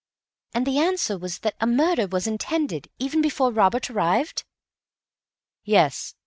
"And the answer was that a murder was intended, even before Robert arrived?" "Yes.